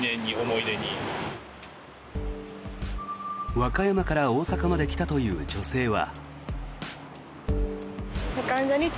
和歌山から大阪まで来たという女性は。